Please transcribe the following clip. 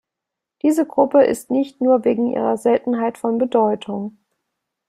Diese Gruppe ist nicht nur wegen ihrer Seltenheit von Bedeutung.